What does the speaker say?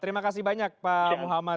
terima kasih banyak pak m muthamar